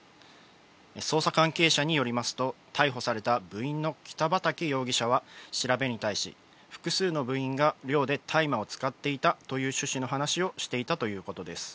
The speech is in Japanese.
捜査関係者によりますと、逮捕された部員の北畠容疑者は調べに対し、複数の部員が寮で大麻を使っていたという趣旨の話をしていたということです。